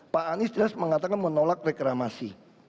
pak anies jelas mengatakan menolak reklamasi